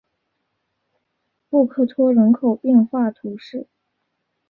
布克托人口变化图示